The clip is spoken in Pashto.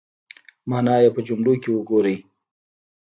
مانا یې په جملو کې وګورئ